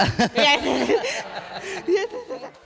dokter spesialis keseluruhan